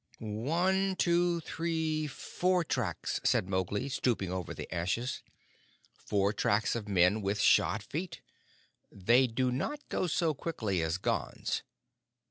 "One, two, three, four tracks," said Mowgli, stooping over the ashes. "Four tracks of men with shod feet. They do not go so quickly as Gonds.